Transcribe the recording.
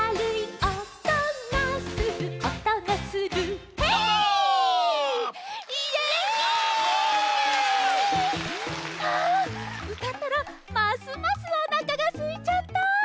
あうたったらますますおなかがすいちゃった。